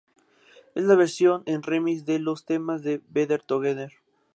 Es la versión en remix de los temas de "Better Together".